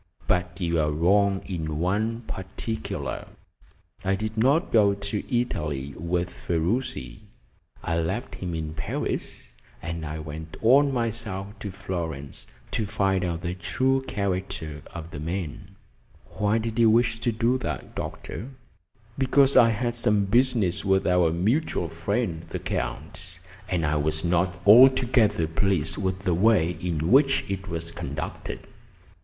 But you are wrong in one particular. I did not go to Italy with Ferruci I left him in Paris, and I went on myself to Florence to find out the true character of the man." "Why did you wish to do that, doctor?" "Because I had some business with our mutual friend, the Count, and I was not altogether pleased with the way in which it was conducted.